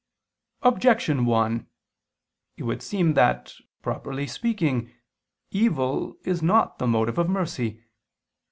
Objection 1: It would seem that, properly speaking, evil is not the motive of mercy.